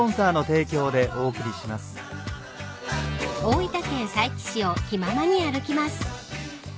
［大分県佐伯市を気ままに歩きます］